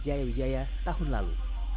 jaya wijaya tahun lalu